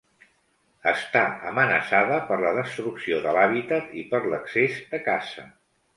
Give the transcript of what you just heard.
Està amenaçada per la destrucció de l'hàbitat i per l'excés de caça.